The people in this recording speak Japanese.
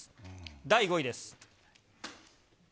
第５位です。